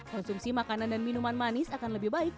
konsumsi makanan dan minuman manis akan lebih baik